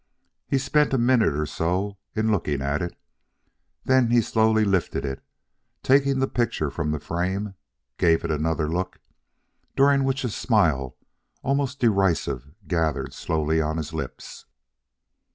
He spent a minute or so in looking at it; then he slowly lifted it, and taking the picture from the frame, gave it another look, during which a smile almost derisive gathered slowly on his lips.